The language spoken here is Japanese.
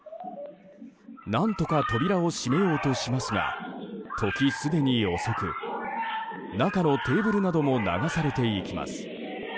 何とか扉を閉めようとしますが時すでに遅く中のテーブルなども流されていきます。